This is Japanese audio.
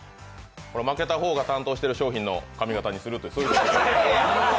負けた方が、担当している商品の髪形にすると。